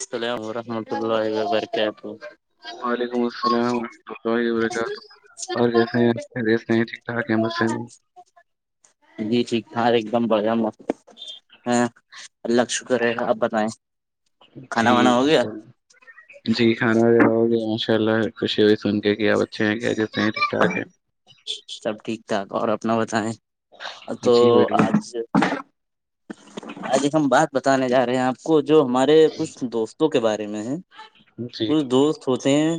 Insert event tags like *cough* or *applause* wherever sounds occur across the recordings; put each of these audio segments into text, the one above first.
السلام ورحمۃ اللہ وبرکاتہ وعلیکم السلام ورحمۃ اللہ وبرکاتہ اور کیسے ہیں آپ خیریت سے ہیں ٹھیک ٹھاک ہیں بس ہیں جی ٹھیک ہ لب ہ اللہک شکر ہے ہب نائ جیک جی کھانا وغیرہ ہو گیا کل خوشی ہوئی سن کے کہ آپ اچھے ہیں کیاسح ٹھیک ٹھاک ہے سب ٹھیک ٹھاک اور اپنا بتائیں تو بڑھیا آج آج ایک ہم بات بتے جا رہے ہیں آپ کو جو ہمارے کچھ دوستوں کے بارے میں ہیں جی کھ دوست ہو ہیں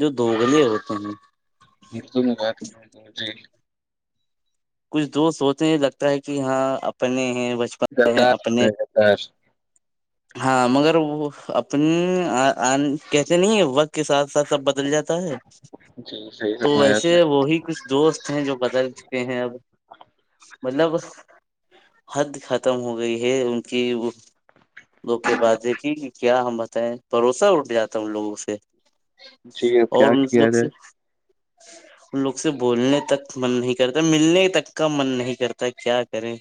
جو دو بلیے ہوتے ہیں مردو ن ات کر تو جی کچھ دوست سونے لگتا ہے کہ ہاں اپنے ہیں بچپن ہیں اپنے گداردار ہاں مگر وہ اپنی کہتے نہیں وقت کے ساتھ ا سب بدل جاتا ہے جی صحیح تو فرمایا آپ ویسے نے وہی کچھ دوست ہیں جو بدل چکے ہیں اب مطلب حد ختم ہو گئی ہے ان کی وہ ل کہ باتیکھی کہ کیا ہم بتائیں بھروسہ اٹھ جاتا ہے ان لوگوں سے جی اب کیا اور ان کیا لوگ رہ سے ہے لوگ سے بولنے تک من نہیں کرتا ملنے تک کا من نہیں کرتا کیا کریں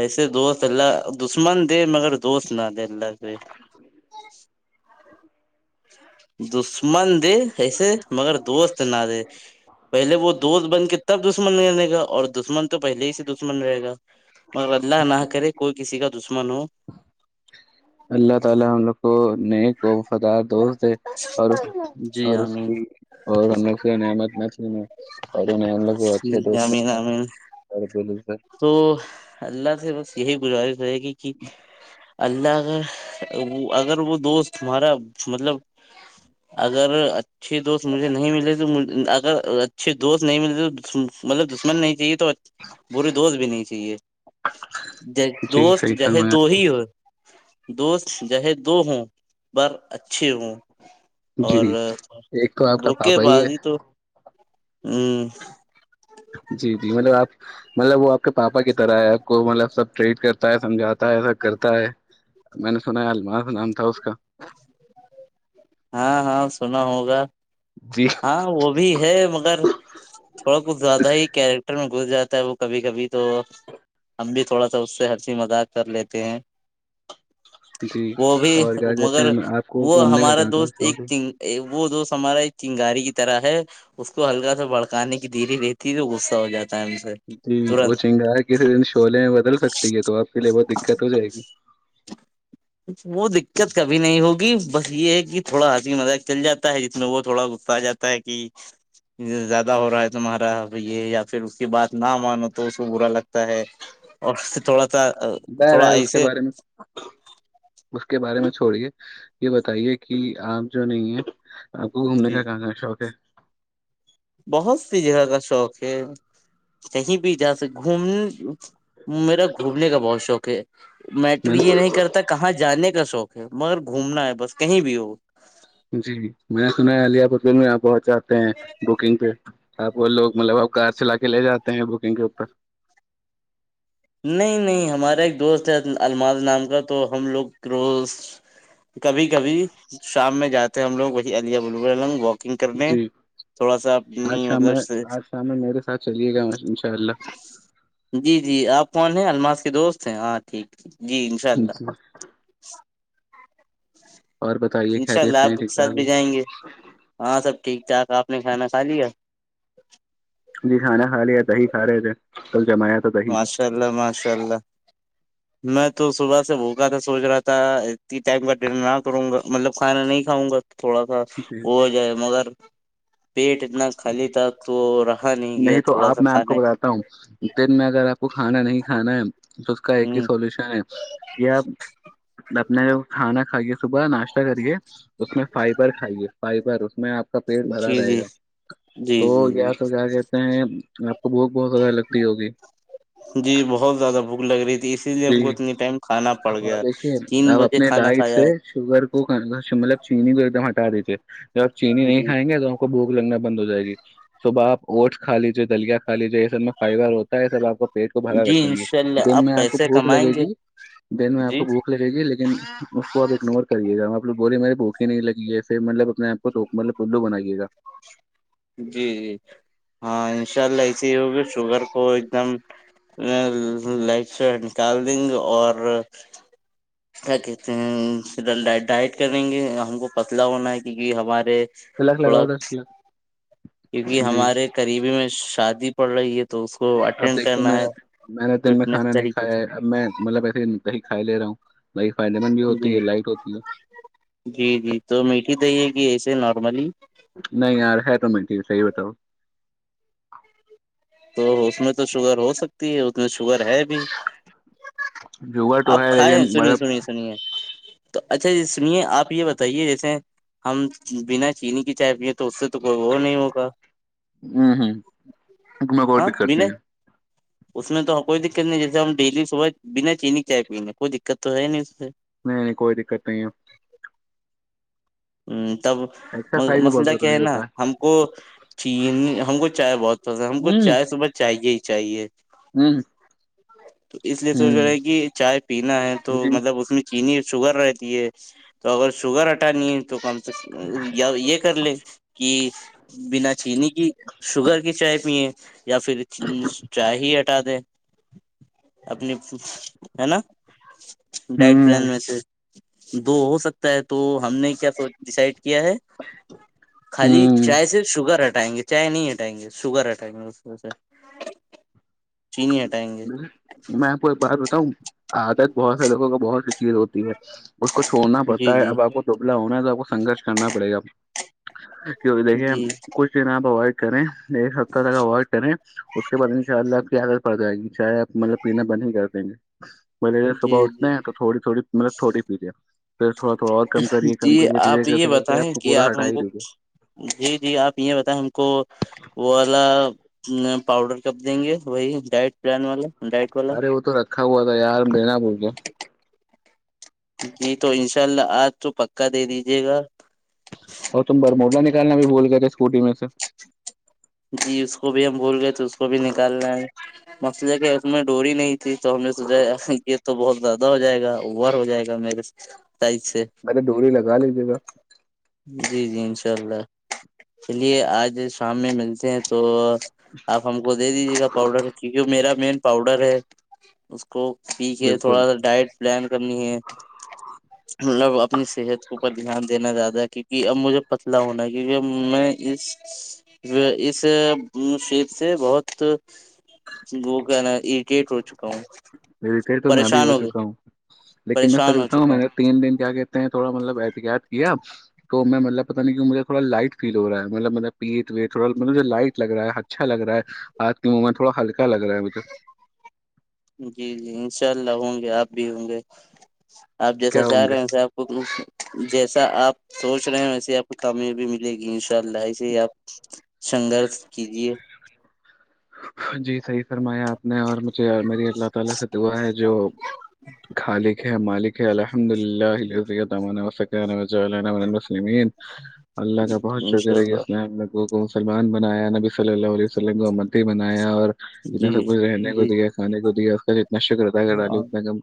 ایسے دوست اللہ دشمن دے مگر دوست نہ دے اللہ کوئی دوس من دے ایسے مگر دوست نہ دے پہلے وہ دوست بن کے تب اس من جنے کاا اور دشمن تو پہلے ہی سے دشمن رہے گا مگر اللہ نہ کرے کوئی کسی کا تو اللہ تعالی ہم لوگ کو ن کوفدار دوست اور جی اور اس آمین کی اور ہم سے نعمت مچ میں سرے نہیں ہم لوگ اچھے جی دوست آمین آمین ہیں ب تو اللہ سے بس یہی بھا ہے رہے گی کہ اللہ ا اگر وہ دوست تارا مطلب اگر اچھے دوست مجھے نہیں ملے تو اگر اچھے دوست نہیں ملے تو مطلب دشمن نہیں چاہیے تو بری دوست بھی نہیں چاہیے ج جی دوست صحیح جسے فرمایا آپ دو نے۔ ہی ہو دوست جہ دو ہوں پر اچھے ہوں جی اور ایک تو آپ کا دوکے پاپا بعاز ہے ہی تو ہ جی جی مطلب آپ مطلب وہ آپ کے پاپا کی طرح ہے آپ کو مطلب سب ٹریٹ کرتا ہے سمجھاتا ہے سب کرتا ہے میں نے سنا ہے المار نام تھا اس کا ہاں ہاں سنا ہوگا جی ہاں وہ بھی ہے مگر تھوڑا کچھ زیادہ ہی کیریکٹر میں گس جاتا وہ کبھی کبھی تو ہم بھی تھوڑا سا اس سے ہرسیی مذاق کر لیتے ہیں جی وہ بھی اور کیا کہتے مگر ہیں آپ کو وہ گھومنے کا ہمارا کہاں کہاں دوست شوق ہے ایک وہ دو س ہمارا چنگاری کی طرح ہے اس کو ہلکا سا بھڑکانے کی دھیری رہتی ہے تو غصہ ہو جاتا ہے ہم سے جی وہ ترنت چنگار کسی دن شلہے میں بدل سکتی ہے تو آپ کے لیے بہت دقت ہو جائے گی وہ دقت کبھی نہیں ہوگی بس یہ ہے کہ تھوڑا ہسی مزاق چل جاتا ہے جس میں وہ تھوڑا گفتا آ جاتا ہے کہ زیادہ ہو رہا ہے تمہارا بھ یہ یا پھر اس کی بات نہ مانو تو اس کو برا لگتا ہے اور تھوڑا سا بہ رہا تھوڑا ہے اس کے ایسے بارے میں اس کے بارے میں چھوڑیے یہ بتائیے کہ آپ جو نہیں ہے آپ کو گھومنے جی کا کہاں کا شوق ہے بہت سی جگہ کا شوق ہے کہیں بھی جا سک گھوم میرا گھومنے کا بہت شوق ہے میٹر میں نے یہ نہیں کرتا کہاں جانے کا شوق ہے مگر گھومنا ہے بس کہیں بھی ہو جی میں نے سنا ہے عیا ب میں آپ بہت چاہتے ہیں بکنگ پہ آپ وہ لوگ مطلب اب کار چلا کے لے جاتے ہیں بکنگ کے اوپر نہیں نہیں ہمارا ایک دوست ہے المار نام کا تو ہم لوگ روز کبھی کبھی شام میں جاتے ہیں ہم لوگ وہی علییہ بولوبعمگ واک گ کرنے جی تھوڑا سا آج اپنی شام مطلب میں آج شام میں میرے ساتھ چلیے گا ان شاء اللہ جی جی آپ الماس کے دوست ہیں ہاں ٹھیک ہے جی انشاء اللہ جی اور بتائیے انشاء خیریت اللہ سے ہیں آپ ٹھیک ساتھ ٹھاک ہیں؟ بھی جائیں گے ہاں سب ٹھیک ٹھاک آپ نے کھانا کھا لیا جی کھانا کھا لیا تی کھا رہے تھے کل جمایا تھا دہی ماشاء اللہ ماشاء اللہ میں تو صبح سے بھوکا تھا سوچ رہا تھا اتنی ٹائم کا ڈنر نہ کروں گا مطلب کھانا نہیں کھاؤں گا تھوڑا سا جی وہ ہو جائے مگر پیٹ اتنا خالی تھا تو رہا گیا نہیں تو تھوڑا آپ سا میں آپ کو کھانے بتاتا ہوں دن میں اگر آپ کو کھانا نہیں کھانا ہے تو اس کا ایک ہی ہ سولوشن ہے کہ نہ جو کھانا کاہے صبح ناشتہ کریے اس میں فائبر کھائیے پائپ ہے اس میں آ اس کا پیٹ بھرا جی جی رہے گا جی تو جی جی کیا کہتے ہیں آپ کو بہت بہت زیادہ لگتی ہوگی جی بہت زیادہ بھوک لگ رہی تھی اسی لیے ہم کو جی اتنی ٹائم کھانا پڑ گیا دیکھیے تین آپ بجے اپنے کھانا ڈائٹ سے کھایا شوگر کو مطلب چینی کو ایک دم ہٹا دیتی ج *inaudible* ج چینی ہے نہیں جی کھیں گے تو کو ب لنگنا بند ہو جائے گی صبح آپ اوٹس کا لیجیے دلیا کا لیجیے یہ سب میں فائبر ہوتا ہے یہ سب آپ کو پیٹ کو بھرا جی رکھیں گے انشاء اللہ دن میں آپ کو پیسے بھوک کمائیں لگے گے گی دن میں آپ جی جی کو بھوک لگے گی لیکن اس کو آپ اگنور کریےا ہم لو بورے ماری بھوکھی نہیں لگی ہے پھر مطلب اپنے آپ کو مطلب لو بنائیے گا جی جی ہاں انشاء اللہ ایسے ہی ہوگے شوگر کو ایک دم لائٹ سے نکال دیں گے اور کیا کہتے ہیں ڈائٹ کریں گے ہم کو پتلا ہونا ہے کیکہ ہمارے کلاک تھوڑا لگاؤ دس کلاک کیونکہ ہمارے قریبی میں شادی پل یہ اب دیکھیے میں نے میں نے دن میں فٹنس کھانا نہیں طریقے کھایا سے ہے اب میں مطلب ایسےی کھائی لے رہا ہوں دہی فائدے مند بھی ہوتی جی ہے لائٹ ہوتی ہے جی جی تو میٹھی دیے گ ای نارملی نہیں یار ہے تو میں ٹھیک صحی بتاؤ تو اس میں تو شوگر ہو سکتی ہے اس میں شوگر ہے بھی جگر تو آپ ہے کھائے لیکن سنیے مطلب سنیے سنیے تو اچھا ج سمے آپ یہ بتائیے جیسے ہم بنا چینی کی چائے پ تو اس سے تو کوئی وہ نہیں ہوگا ہوں ہوں میں کوئی ہاں دقت بنا نہیں ہے اس میں تو کوئی دقت نہیں جیسے ہم ڈیلی صبح بنا چینی چائے پییننے کوئی دقت تو ہے نہیں سے نہیں نہیں کوئی دقت نہیں ہے اچھا تب ایکسرسائز بھی بہت مسئلہ کیا ضروری ہے نا ہوتا ہم کو چین ہم کو چاہائے بہت تو ہم ہے کو ہوں چائے صبح چاہیے ہی چاہیے ہوں ج *inaudible* تو اس لیے سوچ رہے ہیں ہوں کہ چائے پینا ہے تو جی مطلب اس میں چنیی شوگر رہتی ہے تو اگر شوگر ہٹانی ہے تو کم یا یہ کر ل کہ بنا چینی کی شوگر کی چائے پیے یا پھر چاہی د آپنی ہے نا ڈائٹ پلان ہوں میں سے دو ہو سکتا تو ہم نے کیا ڈسائڈ کیا ہے خالی ہوں چائے سے شوگر ہٹ ہٹائیں گے چائے نہیں ہٹائیں گے شوگر ہٹائیں گے اس و سے چینی ہٹائیں گے میں آپ کو ایک بات بتاؤں آاد بہت سے لوگ کو بہت چیز ہوتی ہے اس کو چھوڑنا جی پڑتا ہے جی اب آپ کو دبلا ہونا ہے س وہ سنگرش کرنا پڑے گا کہ دیکھیں جی کچھ دن آپ اوائڈ کریں ایک ہفتہ تک اوائڈ کریں اس کے بعد ان شاء اللہ *inaudible* پڑ جائے گی چائے آپ مطلب پینا بند ہی کر دیں گے بل صبح جی اٹھتے ہیں جی تو تھوڑی تھوڑی مطلب تھوڑی پی ہے جی آپ یہ کرتے کرتے بتائیں کو کہ پورا آپ ہٹا ہم ہی کو دیجیے جی جی آپ یہ بتائیں ہم کو وہ والا پاؤڈر کب دیں گے وہی ڈائٹ پلان والا ڈائٹ والا ارے وہ تو رکھا ہوا تھا یار دین بول گ جی تو انشاء اللہ آج تو پکا دے دیجیے گا میں بھی بول کرے پٹی میں سے وہ بھی ہم بول گئےے اس کو بھی نکال لیں مست جگ سم میں ڈوری نہیں *unintelligible* تو ہم نےسوچا تو بہت زیادہ ہو جائے گا اور ہو جائے گا میرے سے میں نے ڈوی لگا لیجیے گا جی جی انشاء اللہ چلیے آج شام میں میں تو آپ ہم کو دے دیجیے گا پاؤڈر کیونکہ میرا مین پاؤڈر ہے اس کو پی کے بالکل تھوڑا سا ڈائٹ پلان کرنی ہے مطلب اپنی صحت کے اوپر دھیان دینا زیادہ کیونکہ اب مجھے پتلا ہونا ہے کیونکہ ا میں اس اس شیپ سے بہت وہ کہنا پھر تو میں بھی پریشان ہو چکا گیا ہوں لیکن میں سر پریشان ہو بتاؤں چکا میں نے تین دن کیا کہتے ہیں تھوڑا مطلب احتقیاط کیا تو میں مطلب پتا نہیں کی مجھے تھوڑ لائٹ فیل ہو رہا ہےطلب مط پیٹ ویٹ تھواطلبجھے لائٹ ل رہا ہے اچھا ل رہا ہاتھ کی امومر تھوڑا ہلکا لگ رہا ہےجھے جی جی انشاء اللہ ہوں گے آپ بھی ہوں گے آپ کیا جیسا چاہ ہوں گے رہے ہیں ویسے آپ کو جیسا آپ سوچ رہے ہیں ویسے ہی آپ کو کامیابی ملے گی ان شاء اللہ ایسے ہی آپ سنگھرش کیجیے جی صحیح فرمایا آپ نے اور مجھے میری اللہ تعالی سے دعا ہے جو خالی مالک ہے اللہ الحمد للہ دہ *unintelligible* جال وسلمین اللہ کا بہت انشاء شکر ہے اللہ اس کو سلمان بنایا نبی صلی اللہ علیہ وسلم کو امتتی بنایا اور انا جی سب کچھ رہنے کو جی دیا کھانے کو دیا نشرداگر ڈالم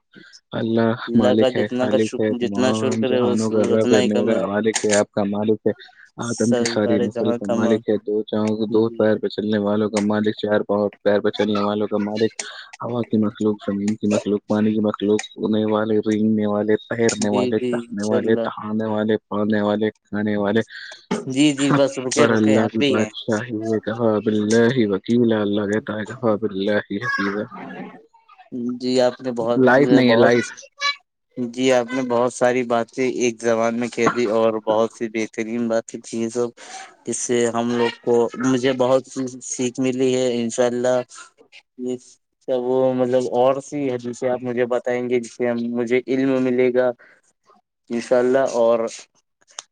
اللہ کا مالک ہے جتنا کا خالق ہے جتنا شکر تمام کرے جوہانوں کر رہا اتنا پ ہی کم ہے میرا مالک ہے آپ کا مالک ہے آدم کی ساری سارے نسل جہاں کا کم مالک دو چاؤوں کو دو پائیر پہ چلنے وال والوں کا مالک چ پیر پر چلنے والوں کا مالک ہوا کی مخلوق زمین کی مخلوق پانی کی مخلوقنے والے رگنے والے تیرنے جی والے جی لنے انشاء والے اللہ تھانے والے پڑھنے والے ہے والے جی جی بس رکے ابر رکے اللہ ہم بھی ہیں بادشاہی نے کہا ب ہی وکیل *unintelligible* ہے کہا باللہ حفیظ جی آپ نے بہت لائٹ نہیں ہے بہت لائٹ جی آپ نے بہت ساری بات سے ایک زبان میں ک دی اور بہت سی بہترین بات چیزو اس سے ہم لوگ کو مجھے بہت سیکھ ملی ہے انشاء اللہ یہ سب وہ مطلب اور سی حدیثیں آپ مجھے بتائیں گے جس سے مجھے علم ملے گا ان شاء اللہ اور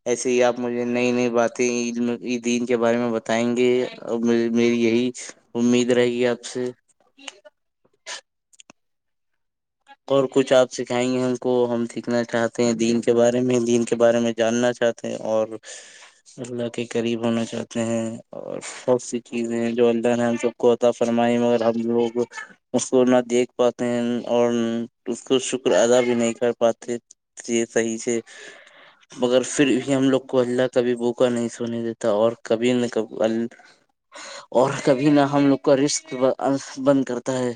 ایسے ہی آپ مجھے نئی نئی باتیں ع دین کے بارے میں بتائیں گے اور میری یہی امید رہے گی آپ سے اور کچھ آپ سکھائیں گے ہم کو ہم سیکھنا چاہتے ہیں دین کے بارے میں دین کے بارے میں جاننا چاہتے ہیں اور اللہ کے قریب ہونا چاہتے ہیں اور س س چیز ہیں جودان کوط فرمائی مگر ہم لوگ اس کو نہ دیکھ پاتے ہیں اور اس کو شکر ادا بھی نہیں کر پاتے تھ صحیح سے مگر پھر بھی ہم لوگ کو اللہ کبھی بوکا نہیں سونے دیتا اور کبھی نہ کبھی ال اور کبھی نہ ہم لوگ کا رشق بند کرتا ہے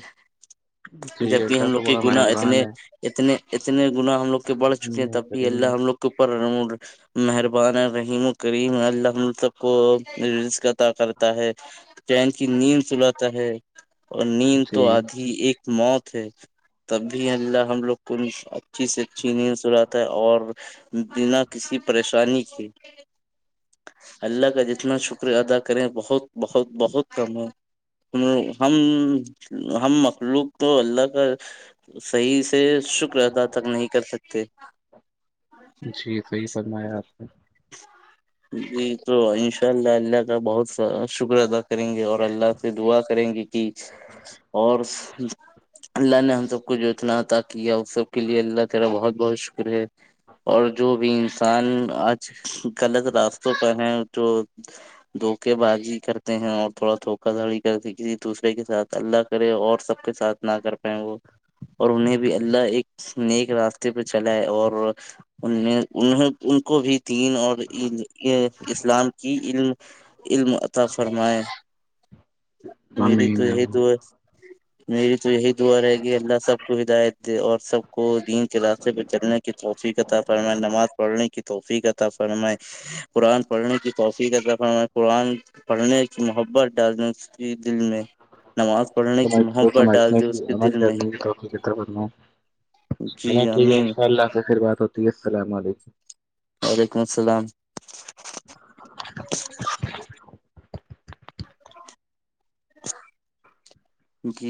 ٹھیک ہے جبک ان ہم تو لوگ کے بڑا گنا مہربان اتنے ہے اتنے اتنے گنا ہم لوگ کے بڑ چکے ہیں رحیم ہے، تب بھی کریم ہے اللہ ہم لوگ کے اوپر مہربان رحیم و کریم المب کو ر عطا کرتا ہے فین کی نیند سلاتا ہے اور نیند جی تو آدھی ایک موت ہے تب بھی اللہ ہم لوگ کون اچھی سے اچھی نیند سلاتا ہے اور بنا کسی پریشانی کے اللہ کا جتنا شکر ادا کریں بہت بہت بہت کم ہے ہم ہم ہم مخلوق تو اللہ کا ج صحیح سے شکر تھا تک نہیں کر سکتے جی صحیح فرمایا آپ نے جی تو ان شاء اللہ اللہ بہت س شکرہ ادا کریں گے اور اللہ سے دعا کریں گی ج اور لے ہم تو *unintelligible* کو جو اتنا عطا کیا اس سب کے لیے اللہ تیرا بہت بہت شکر ہے اور جو بھی انسان آج *unintelligible* غلط راستوں پر ہے جو دھوکے بازی کرتے ہیں اور تھوڑا دھوکا دھڑی کرتے کسی دوسرے کے ساتھ اللہ کرے اور سب کے ساتھ نہ کر پائیں وہ *unintelligible* اور انہیں بھی اللہ ایک نیک راستے پہ چلا ہے اور ان نے انہوں ان کو بھی تین اور یہ اسلام کی علم علم عطا فرمائے میری تو یہی ہمیں دو ہے *unintelligible* میری تو یہی دعا رہے گی اللہ *unintelligible* سب کو ہدایت دے اور سب کو دین *unintelligible* راستے پہ چلنے کی توحفی کا تع فرم ہے نماز پڑھنے کی توحفی کا تع فرم ہے *unintelligible* قرآن پڑھنے کی توفیق قرآن پڑھنے کی محبت ڈالنے *unintelligible* دل میں نماز پڑھنے کی محبت ڈال دی اس کے دل میں *unintelligible* جی چلو ٹھیک ہے آمین انشاء اللہ سے پھر بات ہوتی ہے *unintelligible* السلام علیکم *unintelligible* وعلیکم السلام *unintelligible* *inaudible* جی *inaudible*